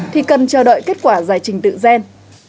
thì cần chờ đợi kết quả giải trình tự gen